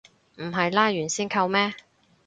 唔係拉完先扣咩